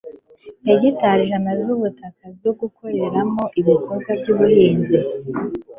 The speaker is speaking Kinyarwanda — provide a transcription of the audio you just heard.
hegitari ijana z'ubutaka zo gukoreramo ibikorwa by'ubuhinzi